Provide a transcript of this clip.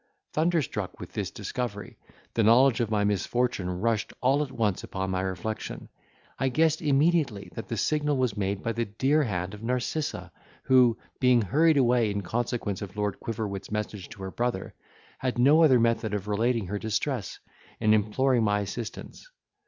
Thunderstruck with this discovery, the knowledge of my misfortune rushed all at once upon my reflection! I guessed immediately that the signal was made by the dear hand of Narcissa, who, being hurried away in consequence of Lord Quiverwit's message to her brother, had no other method of relating her distress, and imploring my assistance.